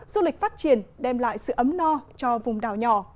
du lịch phát triển đem lại sự ấm no cho vùng đảo nhỏ